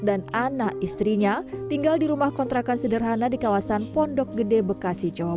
dan anak istrinya tinggal di rumah kontrakan sederhana di kawasan pondok gede bekasi jawa